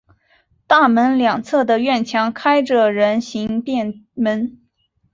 大门两侧的院墙开着人行便门。